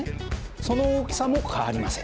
その大きさも変わりません。